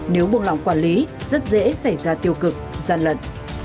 nếu buông lỏng quản lý rất dễ xảy ra tiêu cực gian lận